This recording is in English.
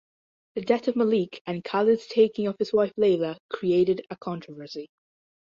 The death of Malik and Khalid's taking of his wife Layla created a controversy.